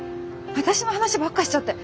私の話ばっかしちゃって。